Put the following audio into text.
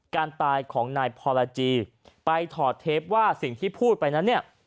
การตายของนายพรจีไปถอดเทปว่าสิ่งที่พูดไปนั้นเนี่ย